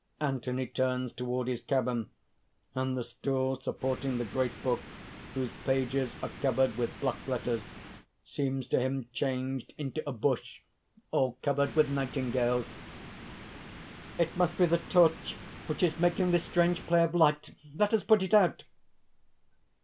Anthony turns toward his cabin; and the stool supporting the great book whose pages are covered with black letters, seems to him changed into a bush all covered with nightingales._) "It must be the torch which is making this strange play of light.... Let us put it out!"